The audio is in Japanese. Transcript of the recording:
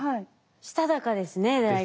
したたかですねだいぶ。